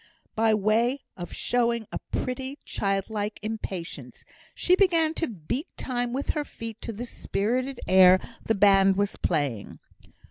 By way of showing a pretty, childlike impatience, she began to beat time with her feet to the spirited air the band was playing.